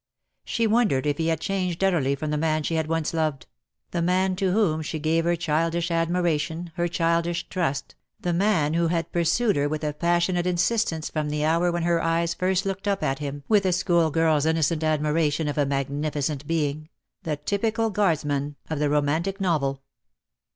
She wondered if he had changed utterly from the man she had once loved — the man to whom 2 12 DEAD LOVE HAS CHAINS. she gave her childish admiration, her childish trust, the man who had pursued her with a passionate insistance from the hour when her eyes first looked up at him with a schoolgirl's innocent admiration of a magnificent being, the typical Guardsman of the romantic novel.